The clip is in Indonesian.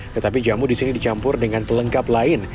tetapi jamu di sini dicampur dengan pelengkap lain